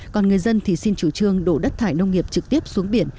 còn người dân thì xin chủ trương đổ đất thải nông nghiệp trực tiếp xuống biển